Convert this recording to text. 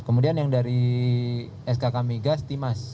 kemudian yang dari sk kamigas timas